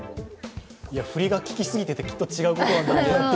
フリがききすぎていてきっと違うことなんだろうなと。